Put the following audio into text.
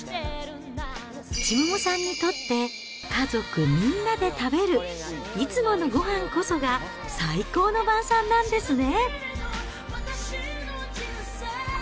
千桃さんにとって、家族みんなで食べるいつものごはんこそが、最高の晩さんなんですね。